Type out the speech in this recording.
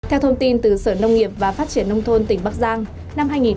theo thông tin từ sở nông nghiệp và phát triển nông thôn tỉnh bắc giang